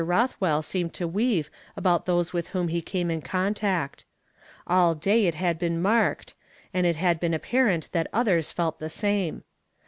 Roth well seemed to weave about those with whom he came in contact. All day it had been marked, and it had been apparent that others felt the same.